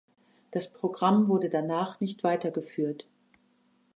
Das Programm wurde danach nicht weitergeführt.